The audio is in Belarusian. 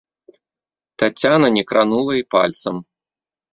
Таццяна не кранула і пальцам.